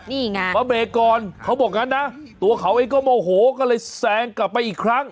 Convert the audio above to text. นี่ไงมาเบรกก่อนเขาบอกงั้นนะตัวเขาเองก็โมโหก็เลยแซงกลับไปอีกครั้ง